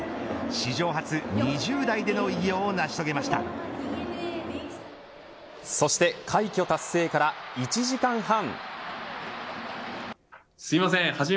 史上初、２０代での偉業を成し遂げましたそして快挙達成から１時間半。